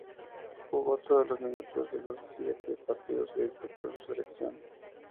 Jugó todos los minutos de los siete partidos que disputó su selección.